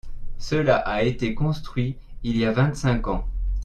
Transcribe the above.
Cela a été construit il y a vingt-cinq ans.